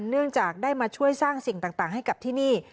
เนื่องจากได้มาช่วยสร้างสิ่งต่างให้กับที่นี่